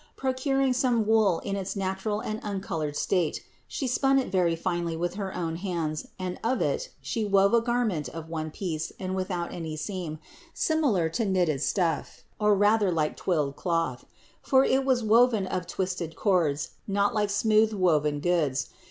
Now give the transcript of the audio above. Procuring some wool in its natural and uncolored state, She spun it very finely with her own hands and of it She wove a garment of one piece and without any seam, similar to knitted stuff, or rather like twilled cloth ; for it was woven of twisted cords, not like smooth woven goods.